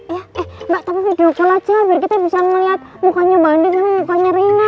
iya mbak tapi video call aja biar kita bisa ngeliat mukanya mbak andin sama mukanya reina